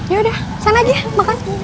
ya udah sana aja ya makan